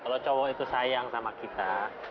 kalau cowok itu sayang sama kita